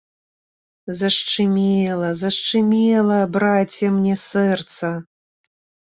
Зашчымела, зашчымела, браце, мне сэрца!